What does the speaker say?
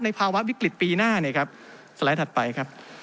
ภาวะวิกฤตปีหน้าเนี่ยครับสไลด์ถัดไปครับ